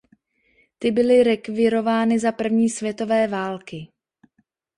Ty byly rekvírovány za první světové války.